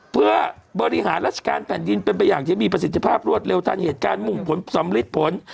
เพื่อบริหารราชการแผ่นดินเป็นไปอย่างที่มีประสิทธิภาพรวดเร็วทันเหตุการณ์มุ่งผลสำลิดผล